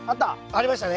ありましたね。